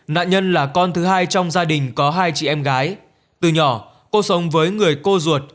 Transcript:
nạn nhân là con thứ hai trong gia đình có hai chị em gái từ nhỏ cô sống với người cô ruột